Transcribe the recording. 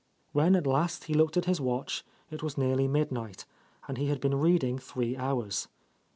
When at last he looked at his watch, it was nearly midnight, and he had been reading three hours.